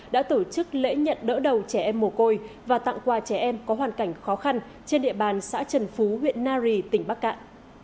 đã tổ chức lễ nhận đỡ đầu trẻ em mồ côi và tặng quà trẻ em có hoàn cảnh khó khăn trên địa bàn xã trần phú huyện nari tỉnh bắc cạn